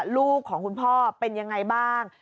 ลูกของคุณพ่อเป็นยังไงบ้าง